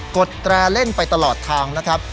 ดแตร่เล่นไปตลอดทางนะครับ